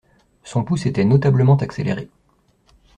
Son pouls s’était notablement accéléré.